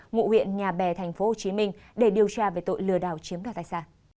ngụ huyện nhà bè tp hcm để điều tra về tội lừa đảo chiếm đoàn tài xa